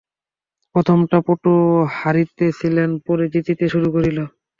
প্রথমটা পটু হারিতেছিল, পরে জিতিতে শুরু করিল।